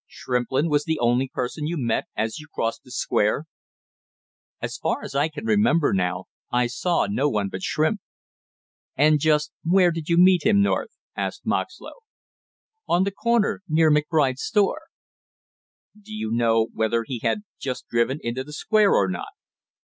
"Shrimplin was the only person you met as you crossed the Square?" "As far as I can remember now, I saw no one but Shrimp." "And just where did you meet him, North?" asked Moxlow. "On the corner, near McBride's store." "Do you know whether he had just driven into the Square or not?"